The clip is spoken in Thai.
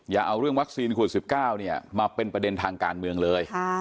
อย่าเอาเรื่องวัคซีนขวด๑๙มาเป็นประเด็นทางการเมืองเลย